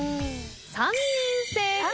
３人正解。